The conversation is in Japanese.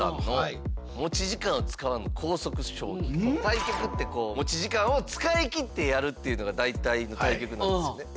対局って持ち時間を使い切ってやるっていうのが大体の対局なんですよね。